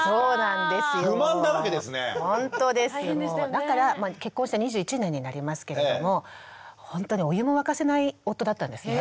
だから結婚して２１年になりますけれどもほんとにお湯も沸かせない夫だったんですね。